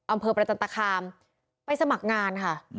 อำเภอประจันตคามไปสมัครงานค่ะ